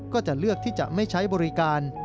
ก็จะเลือกที่จะไม่ใช้บริการ